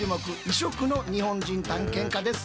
異色の日本人探検家です。